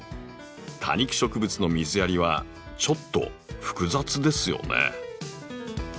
多肉植物の水やりはちょっと複雑ですよね。